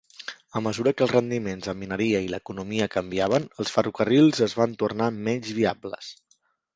A mesura que els rendiments en mineria i l'economia canviaven, els ferrocarrils es van tornar menys viables.